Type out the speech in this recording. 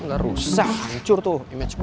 udah rusak hancur tuh image gue